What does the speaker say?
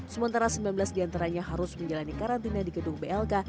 sementara sembilan belas diantaranya harus menjalani karantina di gedung blk